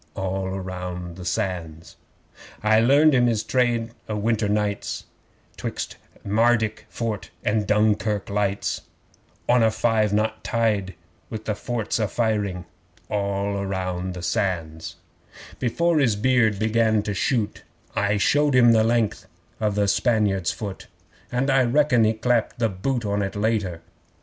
(All round the Sands!) 'I learned him his trade o' winter nights, 'Twixt Mardyk Fort and Dunkirk lights On a five knot tide with the forts a firing. (All round the Sands!) 'Before his beard began to shoot, I showed him the length of the Spaniard's foot And I reckon he clapped the boot on it later.